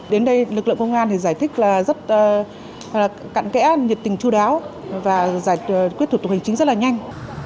đến đây lực lượng công an giải thích rất cạn kẽ nhiệt tình chú đáo và quyết thủ tục hành chính rất là nhanh